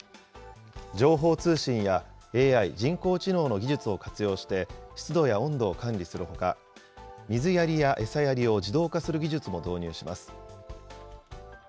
情報通信やＡＩ・人工知能の技術を活用して、湿度や温度を管理するほか、水やりや餌やりを自動化する技術も導入します。